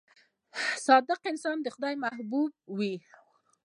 • صادق انسان د خدای محبوب وي.